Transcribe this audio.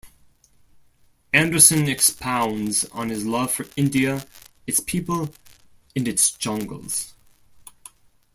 Anderson expounds on his love for India, its people, and its jungles.